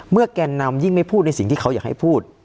แกนนำยิ่งไม่พูดในสิ่งที่เขาอยากให้พูด